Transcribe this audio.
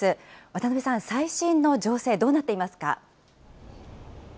渡辺さん、最新の情勢、どうなっていますか。